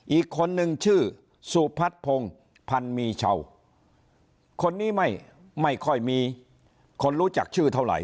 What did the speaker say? อีกคนนึงชื่อสุพัฒน์พงศ์พันมีเช่าคนนี้ไม่ไม่ค่อยมีคนรู้จักชื่อเท่าไห